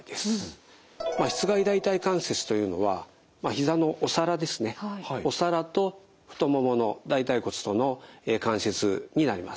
しつ蓋大腿関節というのはひざのお皿ですねお皿と太ももの大腿骨との関節になります。